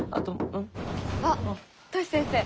あっトシ先生。